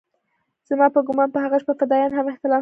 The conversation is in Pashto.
زما په ګومان په هغه شپه فدايان هم احتلام سوي وو.